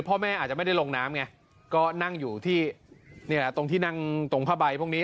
พ่อแม่อาจจะไม่ได้ลงน้ำไงก็นั่งอยู่ที่นี่แหละตรงที่นั่งตรงผ้าใบพวกนี้